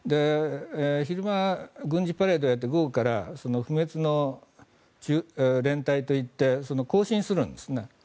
昼間、軍事パレードやって午後から不滅の連隊といって行進するんですね。